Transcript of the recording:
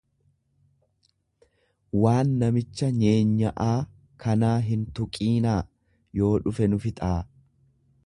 Waan namticha nyeenya'aa kanaa hin tuqiinaa yoo dhufe nu fixaa!